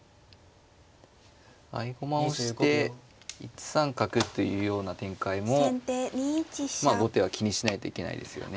合駒をして１三角というような展開も後手は気にしないといけないですよね。